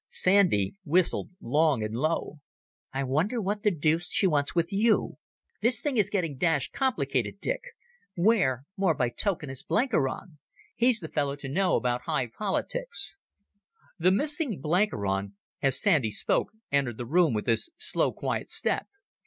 Sandy whistled long and low. "I wonder what the deuce she wants with you? This thing is getting dashed complicated, Dick ... Where, more by token, is Blenkiron? He's the fellow to know about high politics." The missing Blenkiron, as Sandy spoke, entered the room with his slow, quiet step.